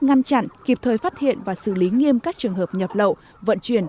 ngăn chặn kịp thời phát hiện và xử lý nghiêm các trường hợp nhập lậu vận chuyển